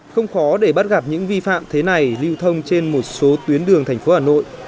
không khó để bắt gặp những vi phạm thế này liêu thông trên một số tuyến đường tp hà nội